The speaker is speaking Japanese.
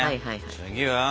次は？